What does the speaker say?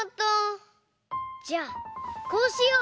じゃあこうしよう！